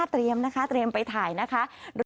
เตรียมนะคะเตรียมไปถ่ายนะคะ